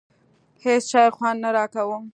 هېڅ شي خوند نه راکاوه.